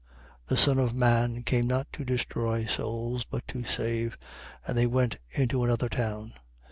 9:56. The Son of man came not to destroy souls, but to save. And they went into another town.